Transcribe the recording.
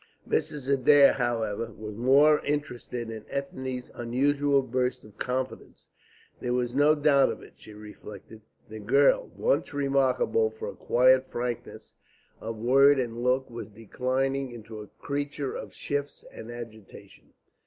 Mrs. Adair, however, was more interested in Ethne's unusual burst of confidence. There was no doubt of it, she reflected. The girl, once remarkable for a quiet frankness of word and look, was declining into a creature of shifts and agitation.